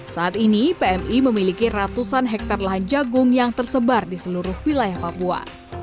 saat ini pmi memiliki ratusan hektare lahan jagung yang tersebar di seluruh wilayah papua